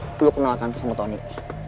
di sini ada cuma peneta uang lepak nih